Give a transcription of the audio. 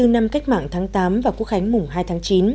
bảy mươi bốn năm cách mạng tháng tám và quốc khánh mùng hai tháng chín